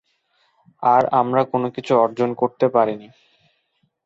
আর আমরা কোনোকিছু অর্জন করতে পারিনি।